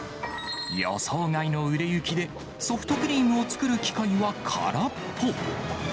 予想外の売れ行きで、ソフトクリームを作る機械は空っぽ。